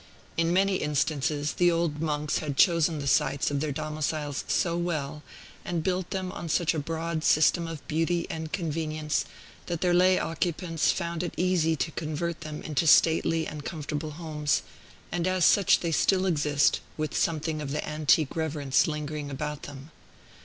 In many instances, the old monks had chosen the sites of their domiciles so well, and built them on such a broad system of beauty and convenience, that their lay occupants found it easy to convert them into stately and comfortable homes; and as such they still exist, with something of the antique reverence lingering about them.